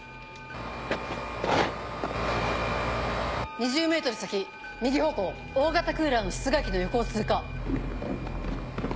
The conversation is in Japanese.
２０ｍ先右方向大型クーラーの室外機の横を通過。